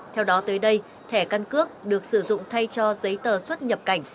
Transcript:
theo đó tới đây thẻ căn cước được sử dụng thay cho giấy tờ xuất nhập cảnh